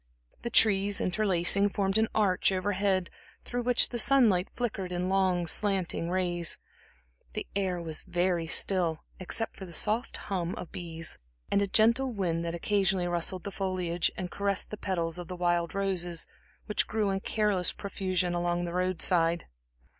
The trees interlacing, formed an arch over head, through which the sunlight flickered in long, slanting rays; the air was very still, except for the soft hum of bees, and a gentle wind that occasionally rustled the foliage and caressed the petals of the wild roses, which grew in careless profusion along the road side.